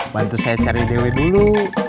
bantu saya cari dw dulu